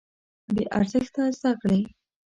بې ارزښته زده کړې.